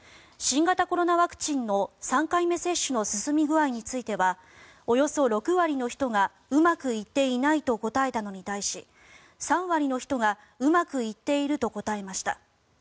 新型コロナワクチンの３回目接種の進み具合についてはおよそ６割の人がうまくいっていないと答えたのに対し３割の人がうまくいっていると答えました。